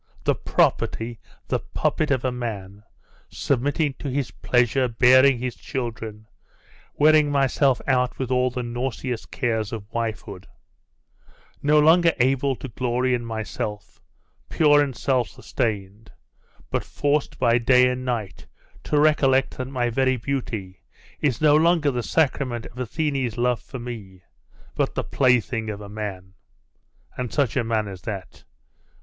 The property, the puppet of a man submitting to his pleasure bearing his children wearing myself out with all the nauseous cares of wifehood no longer able to glory in myself, pure and self sustained, but forced by day and night to recollect that my very beauty is no longer the sacrament of Athene's love for me, but the plaything of a man; and such a man as that!